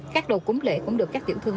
khác đồ cúng lễ cũng được các tiểu thương